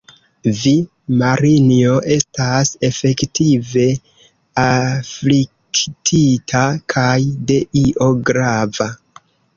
Vi, Marinjo, estas efektive afliktita kaj de io grava.